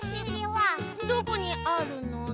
どこにあるのだ？